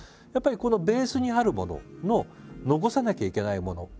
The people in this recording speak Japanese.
やっぱりこのベースにあるものの残さなきゃいけないもの。